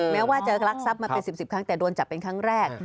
แม้ว่าจะรักทรัพย์มาเป็น๑๐ครั้งแต่โดนจับเป็นครั้งแรก